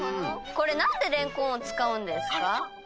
これなんでれんこんを使うんですか？